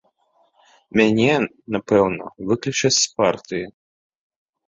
Мяне, напэўна, выключаць з партыі.